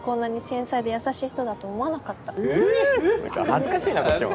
恥ずかしいなこっちも。